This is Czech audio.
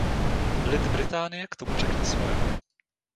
Lid Británie k tomu řekne svoje.